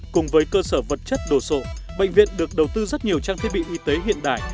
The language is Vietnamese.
cùng với cơ sở vật chất đồ sộ bệnh viện được đầu tư rất nhiều trang thiết bị y tế hiện đại